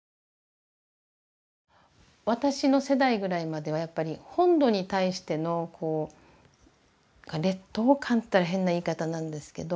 私の世代ぐらいまではやっぱり本土に対してのこう劣等感って言ったら変な言い方なんですけど。